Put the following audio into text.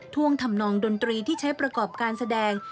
่วงทำนองดนตรีที่ใช้ประกอบการแสดง